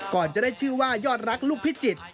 ก่อนจะได้ชื่อว่ายอดรักลูกพิจิตร